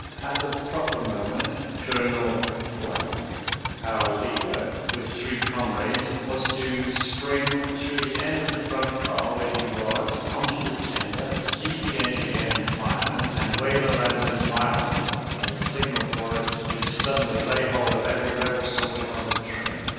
At the proper moment Colonel , our leader, with three comrades, was to spring through the end of the front car where he was, onto the tender, seize the engineer and fireman and wave a lantern violently as a signal for us to suddenly lay hold of every Rebel soldier on the train.